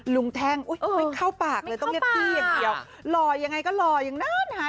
ลุงแท่งอุ๊ยอุ๊ยไม่เข้าปากเลยต้องเรียกพี่อย่างเดียวหล่อยังไงก็หล่อยังนั้นค่ะ